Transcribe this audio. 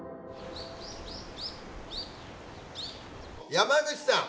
山口さん。